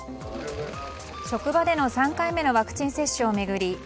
職場での３回目のワクチン接種を巡り